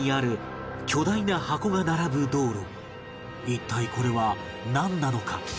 一体これはなんなのか？